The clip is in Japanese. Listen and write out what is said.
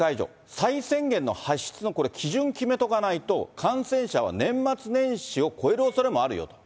再宣言の発出のこれ、基準を決めておかないと、感染者は年末年始を超えるおそれもあるよと。